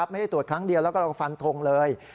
ไม่ได้ตรวจครั้งเดียวแล้วก็เราฟันทงเลย